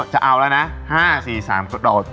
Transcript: จะเอาแล้วนะ๕๔๓กระโดด